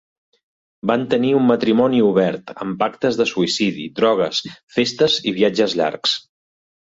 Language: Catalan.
Van tenir un matrimoni obert amb pactes de suïcidi, drogues, festes i viatges llargs.